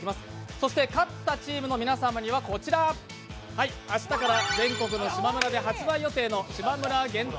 そして勝ったチームの皆様にはこちら、明日から全国のしまむらで発売予定のしまむら限定